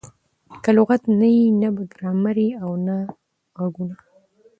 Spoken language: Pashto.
که لغت نه يي؛ نه به ګرامر يي او نه ږغونه.